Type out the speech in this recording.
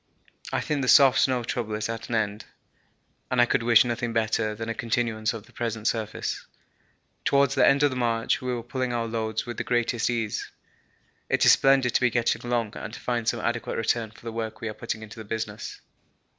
I think the soft snow trouble is at an end, and I could wish nothing better than a continuance of the present surface. Towards the end of the march we were pulling our loads with the greatest ease. It is splendid to be getting along and to find some adequate return for the work we are putting into the business.